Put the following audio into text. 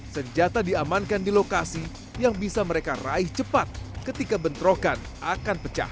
senjata diamankan di lokasi yang bisa mereka raih cepat ketika bentrokan akan pecah